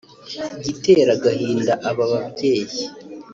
Igitera agahinda aba babyeyi